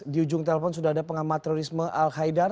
di ujung telepon sudah ada pengamat terorisme al haidar